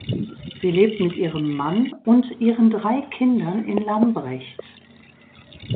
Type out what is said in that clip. Sie lebt mit ihrem Mann und ihren drei Kindern in Lambrecht.